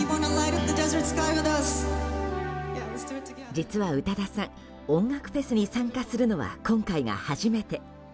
実は宇多田さん音楽フェスに参加するのは今回が初めて。